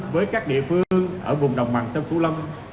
với các địa phương ở vùng đồng bằng sông cửu long